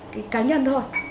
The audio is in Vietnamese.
cái cá nhân thôi